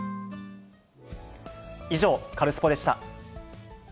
以上、カルスポっ！でした。